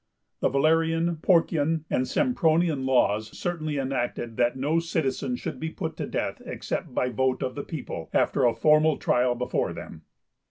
The Valerian, Porcian, and Sempronian laws certainly enacted that no citizen should be put to death except by vote of the people, after a formal trial before them.